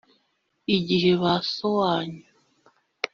igihe ba so wanyu